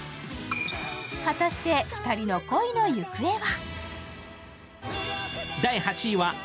果たして２人の恋の行方は。